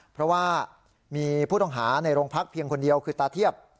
เพราะว่ามีผู้ต้องหาในโรงพักเพียงคนเดียวคือตาเทียบ